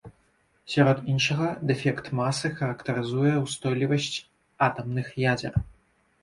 Сярод іншага, дэфект масы характарызуе ўстойлівасць атамных ядзер.